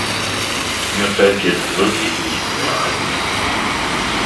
Mir fällt jetzt wirklich nichts mehr ein.